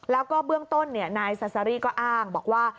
แล้วก็เบื้องต้นนายซาซารี่ก็อ้างบอกว่า